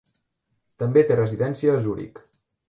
També té residència a Zuric.